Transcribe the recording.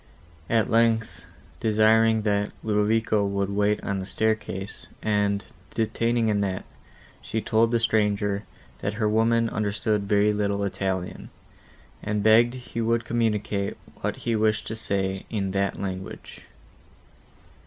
At length, desiring, that Ludovico would wait on the staircase, and detaining Annette, she told the stranger, that her woman understood very little Italian, and begged he would communicate what he wished to say, in that language.